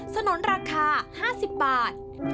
สนุนราคา๕๐บาท